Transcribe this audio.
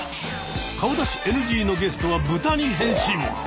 顔出しＮＧのゲストはブタに変身。